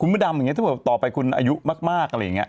พระดำอย่างนี้ถ้าเกิดต่อไปคุณอายุมากอะไรอย่างนี้